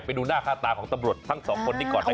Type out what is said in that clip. ไปดูหน้าค่าตาของตำรวจทั้งสองคนนี้ก่อนนะ